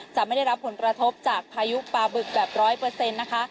จะไม่ได้รับผลประทบจากพายุปลาบึกแบบ๑๐๐นะคะ